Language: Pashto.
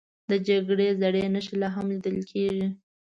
د جګړې زړې نښې لا هم لیدل کېږي.